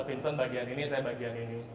vincent bagian ini saya bagian ini